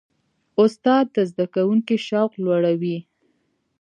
استاد د زده کوونکي شوق لوړوي.